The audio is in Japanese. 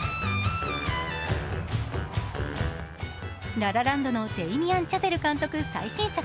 「ラ・ラ・ランド」のデイミアン・チャゼル監督最新作。